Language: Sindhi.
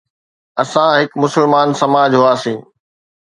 اسان هڪ مسلمان سماج هئاسين.